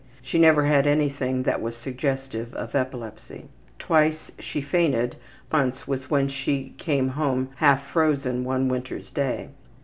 She never had anything that was suggestive of epilepsy. Twice she fainted, but once was when she came home half frozen one winter's day.